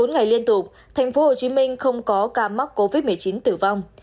bốn ngày liên tục tp hcm không có ca mắc covid một mươi chín tử vong